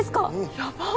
やば。